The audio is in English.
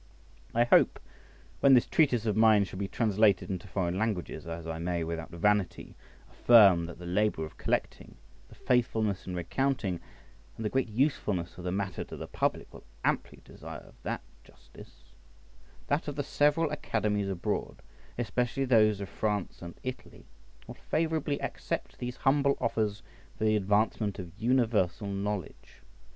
I hope when this treatise of mine shall be translated into foreign languages (as I may without vanity affirm that the labour of collecting, the faithfulness in recounting, and the great usefulness of the matter to the public, will amply deserve that justice), that of the several Academies abroad, especially those of France and Italy, will favourably accept these humble offers for the advancement of universal knowledge.